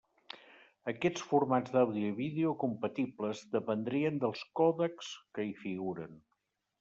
Aquests formats d'àudio i vídeo compatibles dependrien dels còdecs que hi figuren.